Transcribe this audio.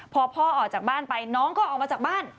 พอพ่อออกจากบ้านไปน้องก็ออกมาจากบ้าน